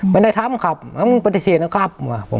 ไม่ได้ทำครับมึงปฏิเสธนะครับ